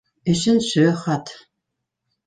Өсөнсө хат.